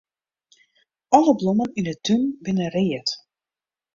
Alle blommen yn 'e tún binne read.